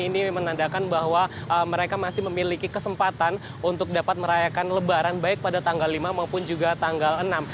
ini menandakan bahwa mereka masih memiliki kesempatan untuk dapat merayakan lebaran baik pada tanggal lima maupun juga tanggal enam